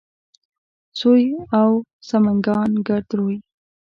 سوی اوه و سمکنان کرد روی